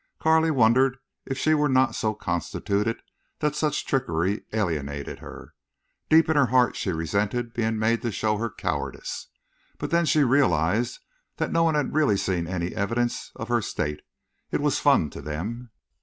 Carley wondered if she were not so constituted that such trickery alienated her. Deep in her heart she resented being made to show her cowardice. But then she realized that no one had really seen any evidence of her state. It was fun to them.